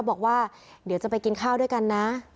บอกว่าเดี๋ยวจะไปกินข้าวด้วยกันนะ